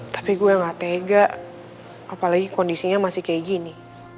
tapi gue gak tega apalagi kondisinya masih kayak gini